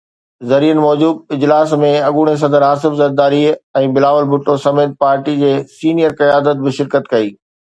ذريعن موجب اجلاس ۾ اڳوڻي صدر آصف زرداري ۽ بلاول ڀٽو سميت پارٽي جي سينيئر قيادت به شرڪت ڪئي.